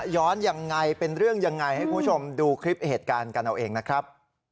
ย้อนยังไงเป็นเรื่องยังไงให้คุณผู้ชมดูคลิปเหตุการณ์กันเอาเองนะครับ